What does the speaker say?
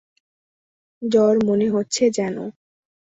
জ্বর মনে হচ্ছে যেন।